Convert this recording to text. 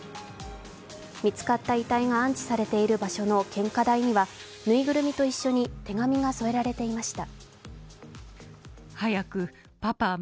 見つかった遺体が安置されている場所の献花台にはぬいぐるみと一緒に手紙が添えられていました。